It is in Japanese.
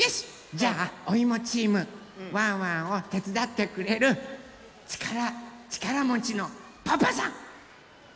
じゃあおいもチームワンワンをてつだってくれるちからもちのパパさん！